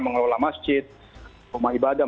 mengelola masjid rumah ibadah